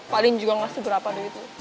paling juga ngasih berapa duit itu